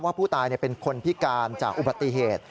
ผู้ตายเป็นคนพิการจากอุบัติเหตุ